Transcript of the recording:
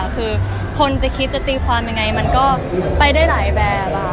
คือคนจะคิดจะตีความยังไงมันก็ไปได้หลายแบบ